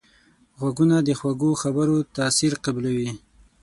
غوږونه د خوږو خبرو تاثیر قبلوي